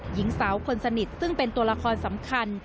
หญิงสาวคนสนิทซึ่งเป็นตัวละครสำคัญ